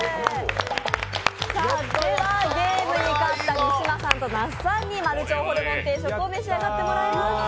ゲームに勝った三島さんと那須さんに丸腸ホルモン定食を召し上がってもらいます。